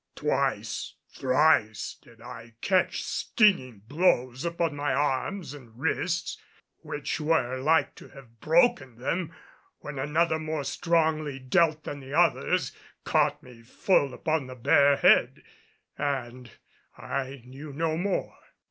Twice, thrice, did I catch stinging blows upon my arms and wrists which were like to have broken them, when another more strongly dealt than the others, caught me full upon the bare head and I knew no more.